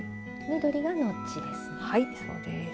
緑がノッチですね。